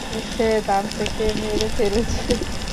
সে দান্তেকে মেরে ফেলেছে।